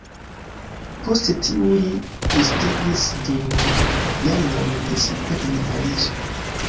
Post tiu li restadis du jarojn precipe en Parizo.